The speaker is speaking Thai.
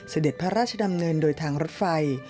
เสด็จพระราชดำเนินโดยทางรถไฟ